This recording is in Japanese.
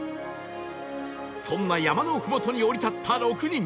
そんな山のふもとに降り立った６人